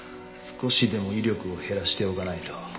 少しでも威力を減らしておかないと。